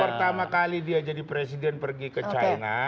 pertama kali dia jadi presiden pergi ke china